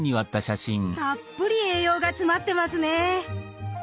たっぷり栄養が詰まってますね。